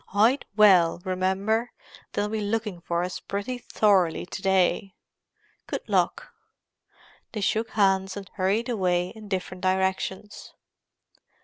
Hide well, remember; they'll be looking for us pretty thoroughly to day. Good luck!" They shook hands and hurried away in different directions.